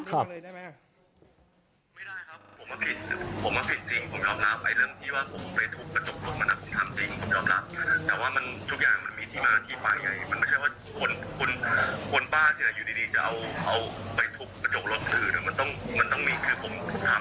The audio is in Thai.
ก็คือผมทำด้วยความแขน